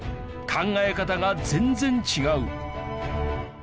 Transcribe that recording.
考え方が全然違う。